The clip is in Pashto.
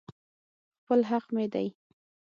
خپل حق مې دى.